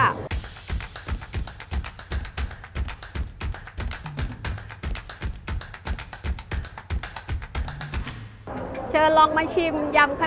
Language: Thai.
รับประกันรสชาติจัดจ้านค่ะ